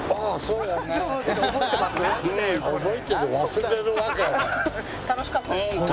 うん楽しかった。